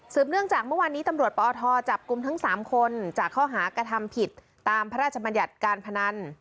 เนื่องจากเมื่อวานนี้ตำรวจปอทจับกลุ่มทั้ง๓คนจากข้อหากระทำผิดตามพระราชบัญญัติการพนัน